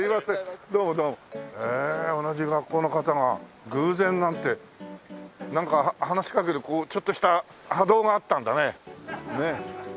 へえ同じ学校の方が偶然なんてなんか話しかけるこうちょっとした波動があったんだね。